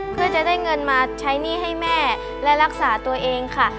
เพื่อจะได้เงินมาใช้หนี้ให้แม่และรักษาตัวเองค่ะ